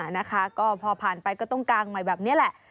นะคะก็พอผ่านไปก็ต้องกางใหม่แบบนี้แหละ